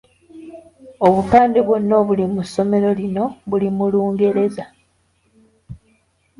Obupande bwonna obuli mu ssomero lino buli mu Lungereza.